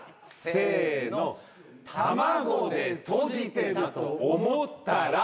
せの「卵でとじてると思ったら」